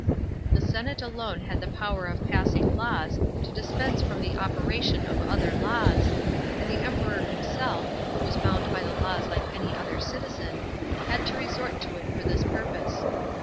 The senate alone had the power of passing laws to dispense from the operation of other laws,f and the Emperor himself, who was bound by the laws like any other citizen, had to resort to it for tl is purpose.